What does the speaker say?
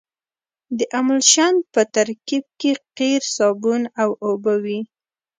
د املشن په ترکیب کې قیر صابون او اوبه وي